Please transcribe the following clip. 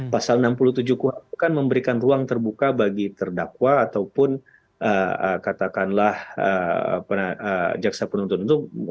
pasal enam puluh tujuh kuasa kan memberikan ruang terbuka bagi terdakwa ataupun katakanlah jaksa penonton